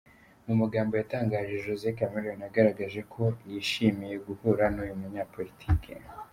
Mu magambo yatangaje Jose Chameleone yagaragaje ko yishimiye guhura n’uyu munyapolitiki.